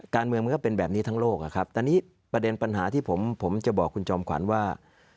การเมืองมันก็เป็นแบบนี้ทั้งโลกแต่นี่ประเด็นปัญหาที่ผมจะบอกคุณจอมขวัญว่า